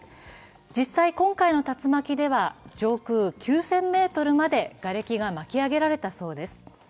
実際今回の竜巻では上空９０００ｍまでがれきが巻き上げられたそうです。